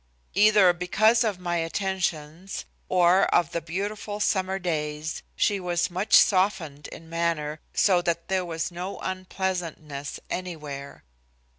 Either because of my attentions or of the beautiful summer days, she was much softened in manner, so that there was no unpleasantness anywhere.